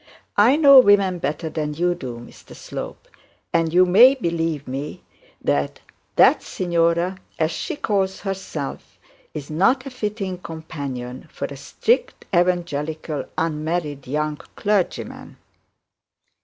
I know women better than you do, Slope, and you may believe me that that signora, as she calls herself, is not a fitting companion for a strict evangelical, unmarried young clergyman.'